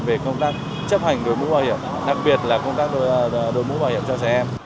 về công tác chấp hành đổi mũi bảo hiểm đặc biệt là công tác đổi mũi bảo hiểm cho xe em